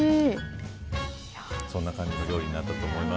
そんな感じの料理になったと思います。